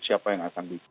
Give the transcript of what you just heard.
siapa yang akan di